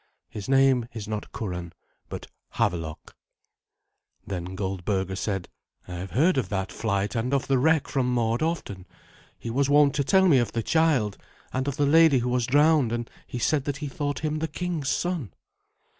His name is not Curan, but Havelok." Then Goldberga said, "I have heard of that flight and of the wreck from Mord often. He was wont to tell me of the child, and of the lady who was drowned, and he said that he thought him the king's son."